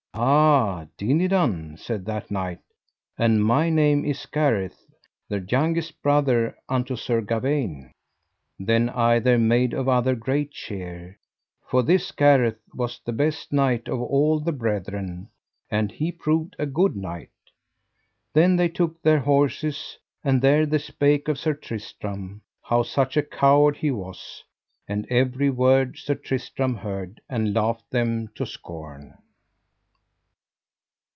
Ah, Dinadan, said that knight, and my name is Gareth, the youngest brother unto Sir Gawaine. Then either made of other great cheer, for this Gareth was the best knight of all the brethren, and he proved a good knight. Then they took their horses, and there they spake of Sir Tristram, how such a coward he was; and every word Sir Tristram heard and laughed them to scorn.